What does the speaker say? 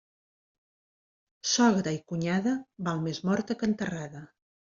Sogra i cunyada, val més morta que enterrada.